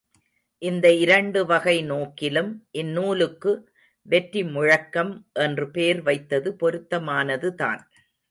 இந்த இரண்டு வகை நோக்கிலும் இந்நூலுக்கு, வெற்றி முழக்கம் என்று பேர் வைத்தது பொருத்தமானதுதான்.